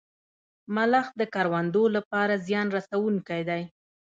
ملخ د کروندو لپاره زیان رسوونکی دی